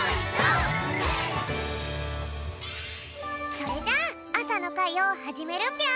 それじゃあさのかいをはじめるぴょん。